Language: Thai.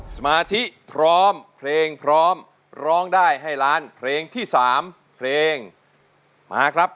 สมาธิพร้อมเพลงพร้อมร้องได้ให้ล้านเพลงที่๓เพลงมาครับ